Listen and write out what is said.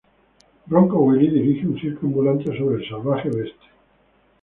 Bronco Billy dirige un circo ambulante sobre el salvaje oeste.